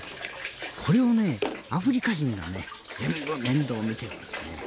これをね、アフリカ人がね全部面倒を見てるんですね。